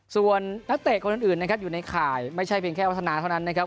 ส่วนนักเตะคนอื่นนะครับอยู่ในข่ายไม่ใช่เพียงแค่วัฒนาเท่านั้นนะครับ